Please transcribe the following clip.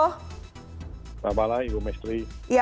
selamat malam ibu mestri